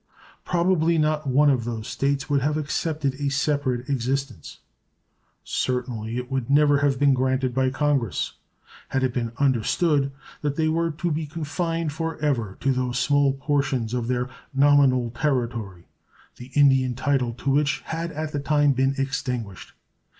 Probably not one of those States would have accepted a separate existence certainly it would never have been granted by Congress had it been understood that they were to be confined for ever to those small portions of their nominal territory the Indian title to which had at the time been extinguished.